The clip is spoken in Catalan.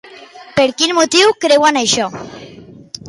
Per quin motiu creuen això?